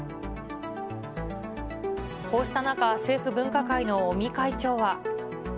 こうした中、政府分科会の尾身会長は。